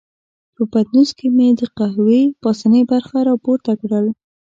په پتنوس کې مې د قهوې پاسنۍ برخه را پورته کړل.